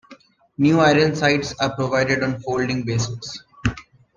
New iron sights are provided on folding bases.